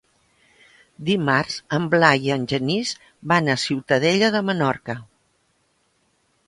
Dimarts en Blai i en Genís van a Ciutadella de Menorca.